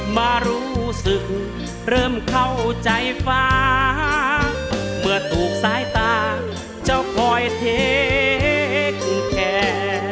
มารู้สึกเริ่มเข้าใจฟ้าเมื่อถูกสายตาเจ้าคอยเทคแคร์